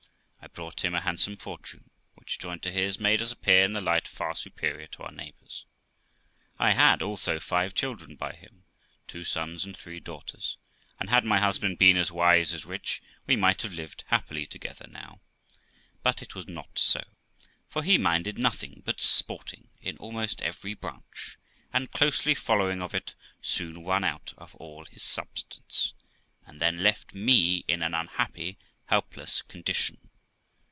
I brought him a handsome fortune, which, joined to his, made us appear in a light far superior to our neighbours. I had also five children by him, two sons and three daughters, and had my husband been as wise as rich, we might have lived happily together now. But it was not so, for he minded nothing but sporting, in almost every branch; and, closely following of it soon run out all his substance, and then left me in an unhappy, helpless condition.